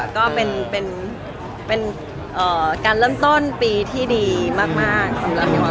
ก็เป็นการเริ่มต้นปีที่ดีมากสำหรับ